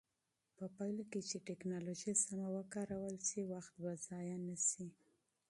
په پایله کې چې ټکنالوژي سمه وکارول شي، وخت به ضایع نه شي.